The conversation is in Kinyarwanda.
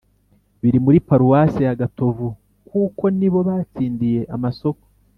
biri muri paruwasi ya gatovu kuko nibo batsindiye amasoko